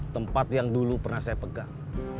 tempat yang dulu pernah saya pegang